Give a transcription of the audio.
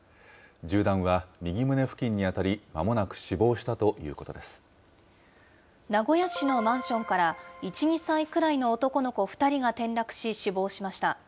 銃弾は右胸付近に当たり、まもな名古屋市のマンションから、１、２歳くらいの男の子２人が転落し、死亡しました。